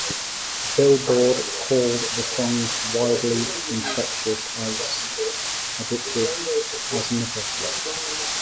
"Billboard" called the song "wildly infectious", and "as addictive as nickel slots".